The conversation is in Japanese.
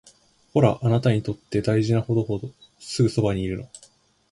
ほら、あなたにとって大事な人ほどすぐそばにいるの